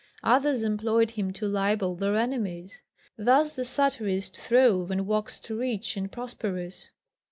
Others employed him to libel their enemies. Thus the satirist throve and waxed rich and prosperous.